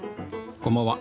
こんばんは。